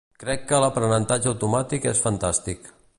Crec que l'aprenentatge automàtic és fantàstic.